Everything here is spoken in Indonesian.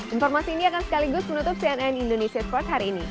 informasi ini akan sekaligus menutup cnn indonesia sport hari ini